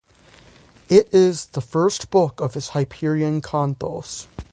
It is the first book of his Hyperion Cantos.